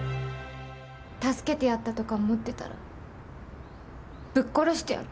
助けてやったとか思ってたらぶっ殺してやる。